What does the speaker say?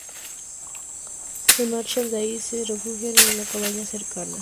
Se marchan de ahí y se refugian en una cabaña cercana.